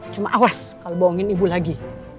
cuma awas kalau bohongin ibu lagi